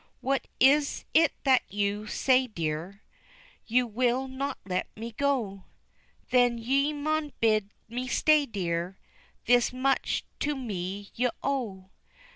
What is it that you say, dear, You will not let me go? Then ye maun bid me stay, dear, This much to me ye owe.